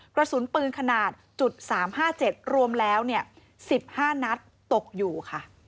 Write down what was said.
กระสุนปืนขนาดจุดสามห้าเจ็ดรวมแล้วเนี่ยสิบห้านัดตกอยู่ค่ะ